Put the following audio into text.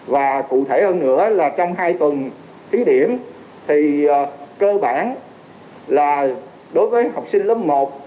và cụ thể hơn nữa là trong hai tuần thí điểm thì cơ bản là đối với học sinh lớp một